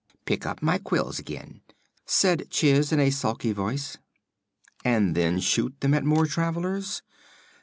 "Pick up my quills again," said Chiss in a sulky voice. "And then shoot them at more travelers?